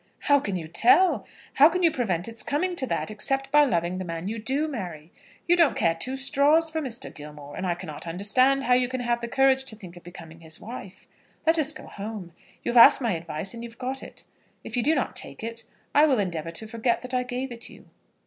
"How can you tell? How can you prevent its coming to that, except by loving the man you do marry? You don't care two straws for Mr. Gilmore; and I cannot understand how you can have the courage to think of becoming his wife. Let us go home. You have asked my advice, and you've got it. If you do not take it, I will endeavour to forget that I gave it you."